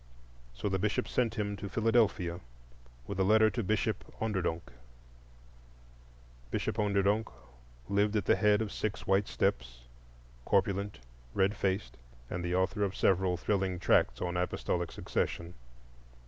So the Bishop sent him to Philadelphia, with a letter to Bishop Onderdonk. Bishop Onderdonk lived at the head of six white steps,—corpulent, red faced, and the author of several thrilling tracts on Apostolic Succession.